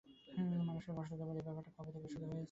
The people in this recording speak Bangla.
মানুষকে কষ্ট দেবার এই ব্যাপারটা ও কবে থেকে শুরু করেছে?